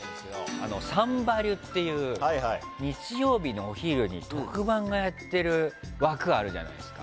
「サンバリュ」っていう日曜日のお昼に特番がやってる枠があるじゃないですか。